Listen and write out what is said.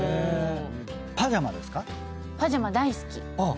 パジャマ大好き。